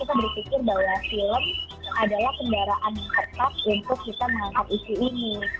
kita berpikir bahwa film adalah kendaraan yang tepat untuk kita mengangkat isu ini